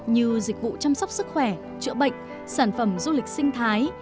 như dịch vụ chăm sóc sức khỏe chữa bệnh sản phẩm du lịch sinh thái